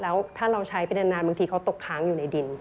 แล้วถ้าเราใช้ไปนานบางทีเขาตกค้างอยู่ในดิน